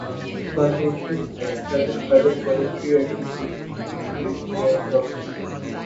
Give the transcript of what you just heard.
Plantations established by the Forestry Administration include stands of teak.